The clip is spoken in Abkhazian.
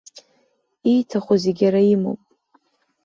Ииҭаху зегьы иара имоуп.